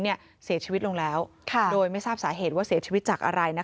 เสียชีวิตลงแล้วโดยไม่ทราบสาเหตุว่าเสียชีวิตจากอะไร